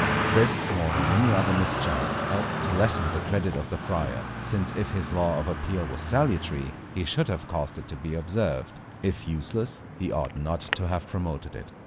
This, more than any other mischance, helped to lessen the credit of the Friar; since if his law of appeal was salutary, he should have caused it to be observed; if useless, he ought not to have promoted it.